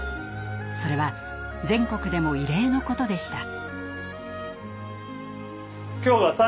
それは全国でも異例のことでした。